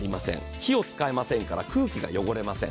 火を使いませんから空気が汚れません。